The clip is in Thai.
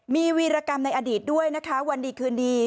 มีวีรกรรมในอดีตด้วยนะคะวันดีคืนดี